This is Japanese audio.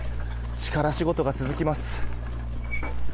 力仕事が続きます。